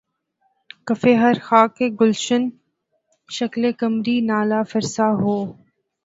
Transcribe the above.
کفِ ہر خاکِ گلشن‘ شکلِ قمری‘ نالہ فرسا ہو